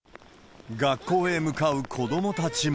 学校へ向かう子どもたちも。